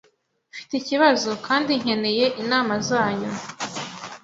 Mfite ikibazo kandi nkeneye inama zanyu.